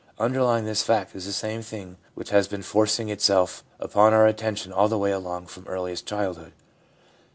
Underlying this fact is the same thing which has been forcing itself upon our attention all the way along from earliest childhood.